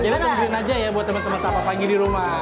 jadi tungguin aja ya buat teman teman siapa lagi di rumah